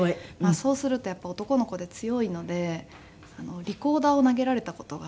そうするとやっぱり男の子で強いのでリコーダーを投げられた事があって。